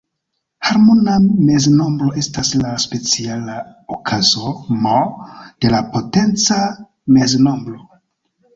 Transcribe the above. Harmona meznombro estas la speciala okazo "M" de la potenca meznombro.